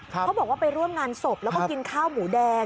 เขาบอกว่าไปร่วมงานศพแล้วก็กินข้าวหมูแดง